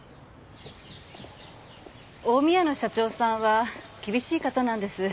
近江屋の社長さんは厳しい方なんです。